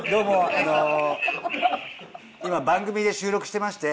あの今番組で収録してまして。